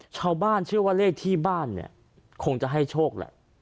ชาวบ้านเชื่อว่าเลขที่บ้านเนี่ยคงจะให้โชคแหละ